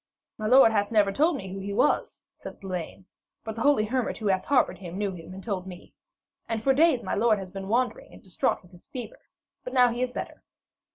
'My lord hath never told me who he was,' said Lavaine, 'but the holy hermit who hath harboured him knew him and told me. And for days my lord has been wandering and distraught in his fever. But now he is better.'